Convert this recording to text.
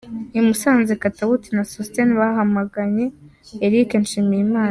I Musanze, Katawuti na Sosthene bahagamye Eric Nshimiyimana.